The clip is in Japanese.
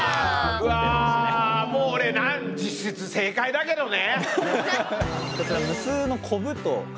うわもう俺実質正解だけどね。